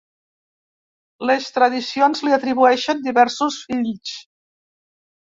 Les tradicions li atribueixen diversos fills.